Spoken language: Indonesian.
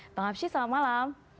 bang hapsi selamat malam